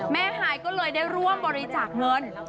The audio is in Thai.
ฮายก็เลยได้ร่วมบริจาคเงิน